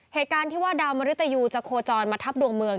เหตุการณ์ที่ว่าดาวมริตยูจะโคจรมาทับดวงเมือง